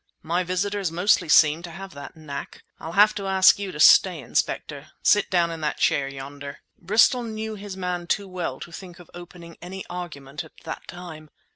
My visitors mostly seem to have that knack. I'll have to ask you to stay, Inspector. Sit down in that chair yonder." Bristol knew his man too well to think of opening any argument at that time.